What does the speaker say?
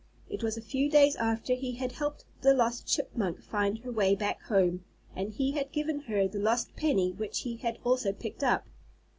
It was a few days after he had helped the lost chipmunk find her way back home, and he had given her the lost penny which he had also picked up.